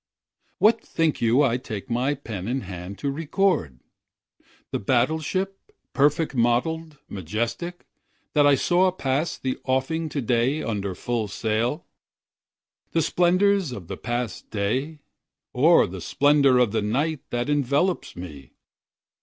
WHAT think you I take my pen in hand to record? The battle ship, perfect model'd, majestic, that I saw pass the offing to day under full sail? The splendors of the past day? Or the splendor of the night that envelopes me?